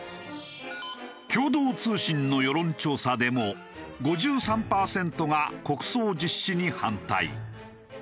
共同通信の世論調査でも５３パーセントが国葬実施に反対。